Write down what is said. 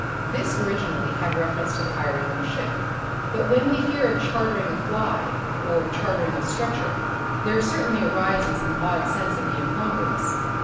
This originally had reference to the hiring of a ship; but when we hear of chartering a fly, or chartering a stretcher, there certainly arises an odd sense of the incongruous.